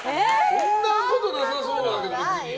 そんなことなさそうだけど、別に。